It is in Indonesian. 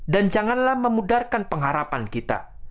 dan janganlah memudarkan pengharapan kita